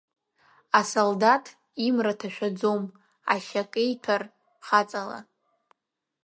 Асолдаҭ имра ҭашәаӡом, ашьа кеиҭәар хаҵала.